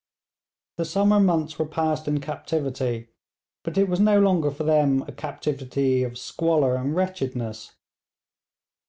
The summer months were passed in captivity, but it was no longer for them a captivity of squalor and wretchedness.